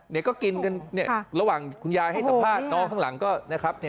น้องข้างหลังก็นะครับ